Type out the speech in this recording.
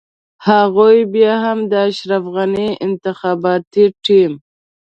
هغوی بيا هم د اشرف غني انتخاباتي ټيم.